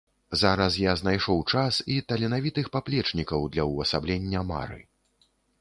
Зараз я знайшоў час і таленавітых паплечнікаў для ўвасаблення мары.